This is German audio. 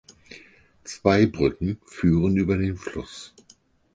Zwei Brücken führen über den Fluss.